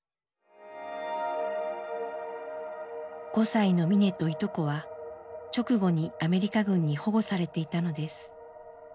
５歳のミネといとこは直後にアメリカ軍に保護されていたのです。